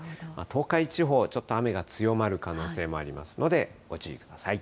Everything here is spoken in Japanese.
東海地方、ちょっと雨が強まる可能性もありますので、ご注意ください。